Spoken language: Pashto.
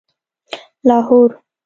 لاهور